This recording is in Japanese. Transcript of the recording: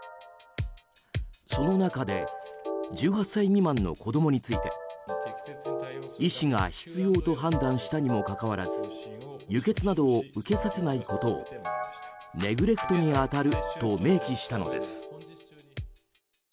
その中で１８歳未満の子供について医師が必要と判断したにもかかわらず輸血などを受けさせないことをネグレクトに当たると明記したのです。